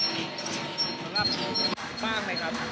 มีข้อมูลของคุณบ้างไหมครับ